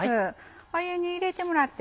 湯に入れてもらって。